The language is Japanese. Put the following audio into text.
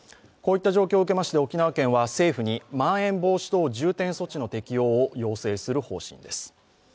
こういった状況を受けまして沖縄県は政府にまん延防止等重点措置の適用を要請する方針です。